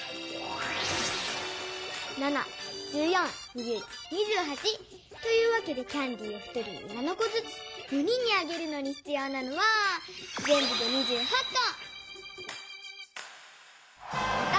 ７１４２１２８。というわけでキャンディーを１人に７こずつ４人にあげるのにひつようなのはぜんぶで２８こ！